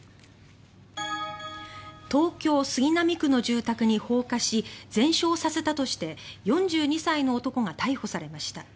東京・杉並区の住宅に放火し全焼させたとして４２歳の男が逮捕されました。